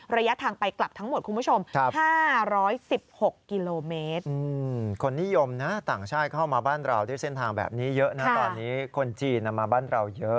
ระยะทางไปกลับทั้งหมดคุณผู้ชม๕๑๖กิโลเมตร